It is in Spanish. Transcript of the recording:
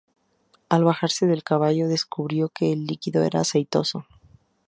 Al bajarse del caballo, descubrió que el líquido era "aceitoso".